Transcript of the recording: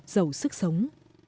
giàu sức sống